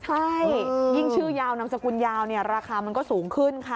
ใช่ยิ่งชื่อยาวนามสกุลยาวเนี่ยราคามันก็สูงขึ้นค่ะ